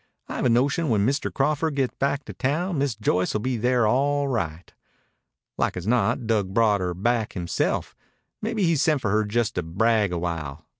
I've a notion when Mr. Crawford gets back to town Miss Joyce will be there all right. Like as not Dug brought her back himself. Maybe he sent for her just to brag awhile.